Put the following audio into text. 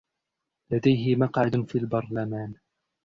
لديه مقعد في البرلمان.